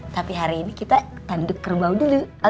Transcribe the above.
tapi hari ini kita tanduk kerbau dulu